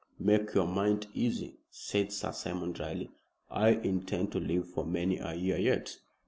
"Make your mind easy," said Sir Simon, dryly. "I intend to live for many a year yet."